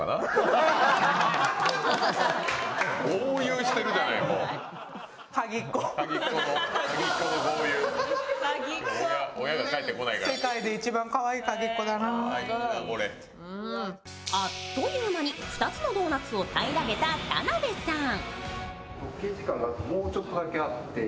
うん！あっという間に２つのドーナツを平らげた田辺さん。